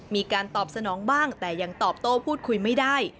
มีการตอบสนองบ้างแต่ยังตอบโต้พูดคุยไม่ได้